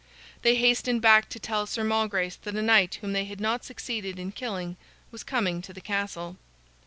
They hastened back to tell Sir Malgrace that a knight whom they had not succeeded in killing was coming to the castle.